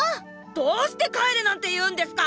どーして帰れなんて言うんですか